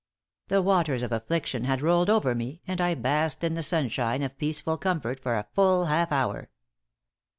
The waters of affliction had rolled over me and I basked in the sunshine of peaceful comfort for a full half hour.